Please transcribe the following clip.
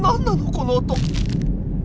この音。